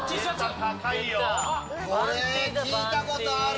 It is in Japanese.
これ聞いたことある！